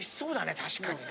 確かにね。